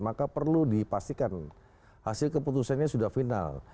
maka perlu dipastikan hasil keputusannya sudah final